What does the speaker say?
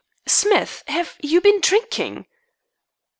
"Smith, have you been drinking?"